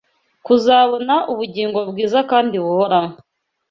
kuzabona ubugingo Bwiza kandi buhoraho